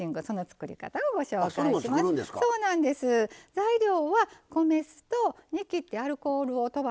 材料は米酢と煮きってアルコールをとばしたみりんです。